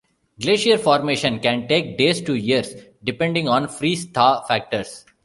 Glacier formation can take days to years depending on freeze-thaw factors.